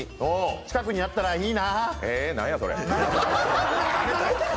近くにあったらいいな。